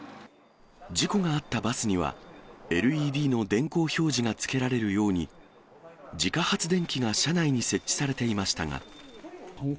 事故があったバスには、ＬＥＤの電光表示がつけられるように、自家発電機が車内に設置されていましたが。